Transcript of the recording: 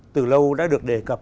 từ lâu đã được đề cập